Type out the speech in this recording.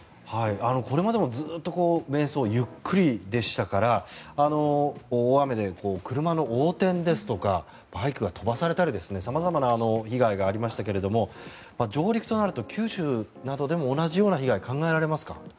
これまでもずっと迷走、ゆっくりでしたから大雨で車の横転ですとかバイクが飛ばされたり様々な被害がありましたが上陸となると九州などでも同じような被害が考えられますか？